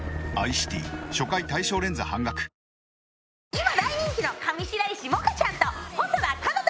今大人気の上白石萌歌ちゃんと細田佳央太